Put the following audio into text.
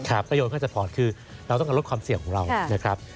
ถ้าโยนเขาจะพอร์ตคือเราต้องการลดความเสี่ยงของเรานะครับ